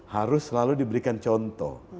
harus selalu diberikan contoh